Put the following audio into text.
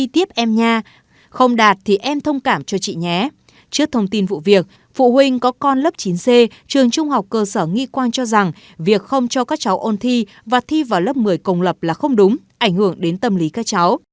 trước thông tin vụ việc phụ huynh có con lớp chín c trường trung học cơ sở nghi quang cho rằng việc không cho các cháu ôn thi và thi vào lớp một mươi công lập là không đúng ảnh hưởng đến tâm lý các cháu